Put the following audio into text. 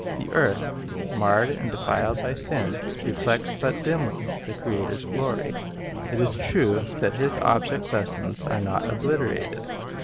The earth, marred and denied by sin, reflects but dimly the Creator's glory. It is true that His object lessons are not obliterated.